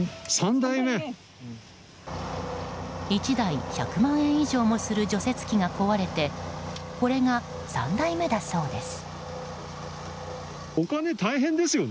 １台１００万円以上もする除雪機が壊れてこれが３台目だそうです。